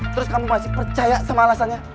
terus kamu masih percaya sama alasannya